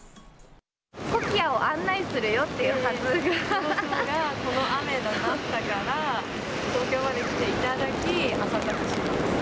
コキアを案内するよっていうこの雨ってなったから、東京まで来ていただき、朝活します。